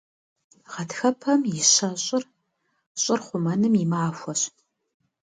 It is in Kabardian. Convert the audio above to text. Гъэтхэпэм и щэщӏыр – щӏыр хъумэным и махуэщ.